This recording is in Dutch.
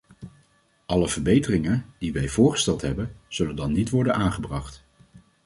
Alle verbeteringen, die wij voorgesteld hebben, zullen dan niet worden aangebracht.